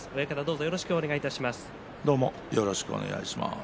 よろしくお願いします。